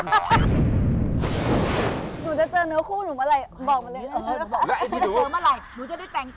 หนูจะเจอเนื้อคู่หนูเมื่อไหร่บอกมาเลยนะคะ